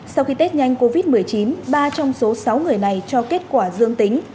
sau khi tết nhanh covid một mươi chín ba trong số sáu người này cho kết quả dương tính